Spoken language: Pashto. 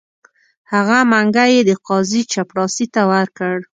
هغه منګی یې د قاضي چپړاسي ته ورکړ.